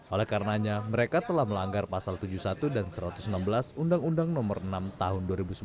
oleh karenanya mereka telah melanggar pasal tujuh puluh satu dan satu ratus enam belas undang undang nomor enam tahun dua ribu sebelas